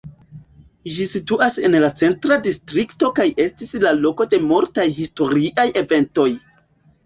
Ĝi situas en la Centra Distrikto kaj estis la loko de multaj historiaj eventoj.